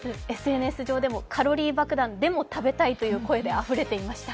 ＳＮＳ上ではカロリー爆弾でも食べたいとの声が上がっていました。